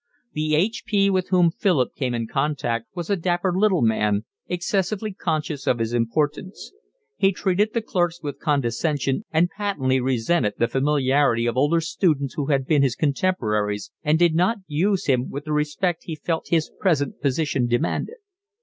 The H.P. with whom Philip came in contact was a dapper little man, excessively conscious of his importance: he treated the clerks with condescension and patently resented the familiarity of older students who had been his contemporaries and did not use him with the respect he felt his present position demanded.